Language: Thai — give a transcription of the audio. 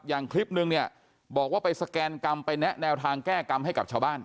อย่างคลิปนึงเนี่ยบอกว่าไปสแกนกรรมไปแนะแนวทางแก้กรรมให้กับชาวบ้าน